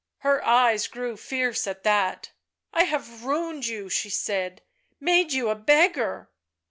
Her eyes grew fierce at that. "I have ruined you," she said; "made you a beggar."